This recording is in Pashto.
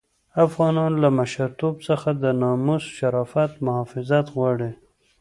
افغانان له مشرتوب څخه د ناموس د شرافت محافظت غواړي.